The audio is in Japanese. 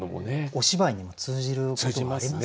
お芝居にも通じることがありますよね。